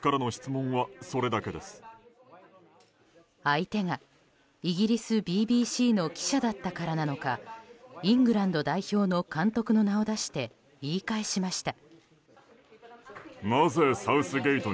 相手がイギリスＢＢＣの記者だったからなのかイングランド代表の監督の名を出して、言い返しました。